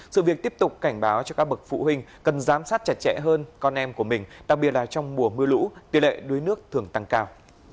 sự việc tiếp tục cảnh báo cho các bậc phụ huynh cần giám sát chặt chẽ hơn con em của mình đặc biệt là trong mùa mưa lũ tỷ lệ đuối nước thường tăng cao